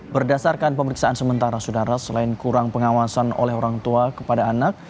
berdasarkan pemeriksaan sementara saudara selain kurang pengawasan oleh orang tua kepada anak